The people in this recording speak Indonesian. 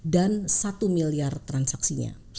dan satu miliar transaksinya